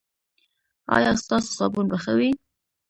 ایا ستاسو صابون به ښه وي؟